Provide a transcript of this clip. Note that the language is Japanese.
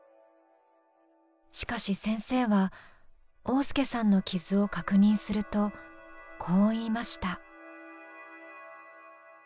しかし先生は旺亮さんの傷を確認するとこう言いました。